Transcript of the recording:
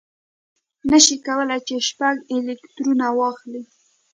نه شي کولای چې شپږ الکترونه واخلي.